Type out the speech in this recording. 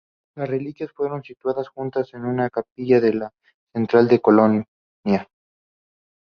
Las reliquias fueron situadas juntas en una capilla de la Catedral de Colonia.